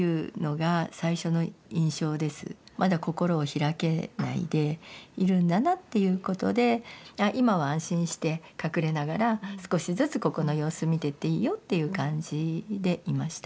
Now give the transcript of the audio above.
まだ心を開けないでいるんだなっていうことで今は安心して隠れながら少しずつここの様子見てっていいよっていう感じでいました。